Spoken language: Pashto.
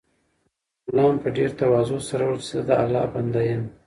غلام په ډېر تواضع سره وویل چې زه د الله بنده یم.